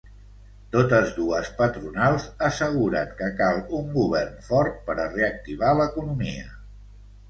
Totes dues patronals asseguren que cal un govern fort per a reactivar l’economia.